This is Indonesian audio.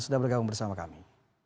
sudah bergabung bersama kami